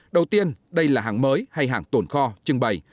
đầu tiên đây là hàng mới hay hàng tồn kho trưng bày